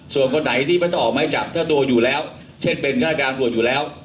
ส่วนคนไหนที่ไม่ต้องออกไม้จับเจ้าตัวอยู่แล้วเช่นเป็นราชการตำรวจอยู่แล้ว